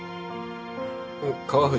川藤。